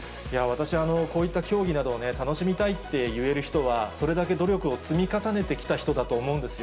私、こういった競技などを楽しみたいって言える人は、それだけ努力を積み重ねてきた人だと思うんですよ。